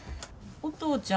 お父ちゃん。